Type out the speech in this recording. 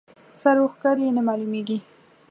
سر و ښکر یې نه معلومېږي.